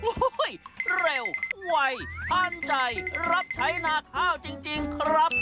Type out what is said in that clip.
โอ้โหเร็วไวทันใจรับใช้นาข้าวจริงครับ